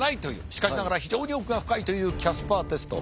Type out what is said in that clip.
しかしながら非常に奥が深いというキャスパーテスト。